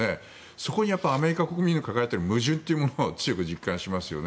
そこにやっぱり、アメリカ国民が抱えている矛盾というのを強く実感しますね。